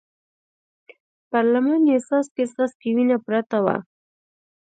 پر لمن يې څاڅکي څاڅکې وينه پرته وه.